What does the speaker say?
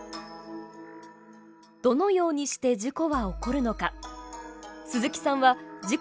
どのようにして事故は起こるのか。